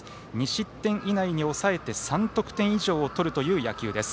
２失点以内に抑えて３得点以上を取る野球です。